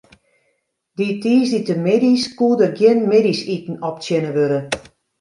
Dy tiisdeitemiddeis koe der gjin middeisiten optsjinne wurde.